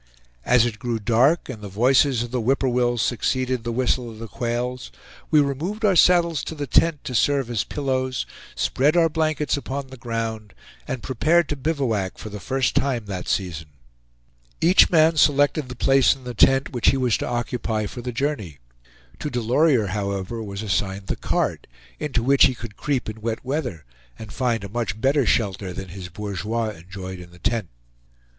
As it grew dark, and the voices of the whip poor wills succeeded the whistle of the quails, we removed our saddles to the tent, to serve as pillows, spread our blankets upon the ground, and prepared to bivouac for the first time that season. Each man selected the place in the tent which he was to occupy for the journey. To Delorier, however, was assigned the cart, into which he could creep in wet weather, and find a much better shelter than his bourgeois enjoyed in the tent.